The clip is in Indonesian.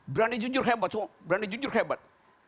berani jujur hebat